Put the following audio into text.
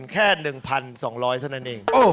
แค่๑๒๐๐เท่านั้นเอง